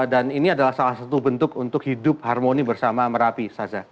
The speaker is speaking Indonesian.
dan ini adalah salah satu bentuk untuk hidup harmoni bersama merapi